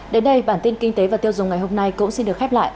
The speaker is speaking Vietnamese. đến đây bản tin kinh tế và tiêu dùng ngày hôm nay cũng xin được khép lại